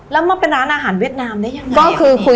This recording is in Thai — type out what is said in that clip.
ใช่ดีซักหัวจะปวด